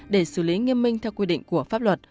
để xử lý nghiêm minh theo quy định của pháp luật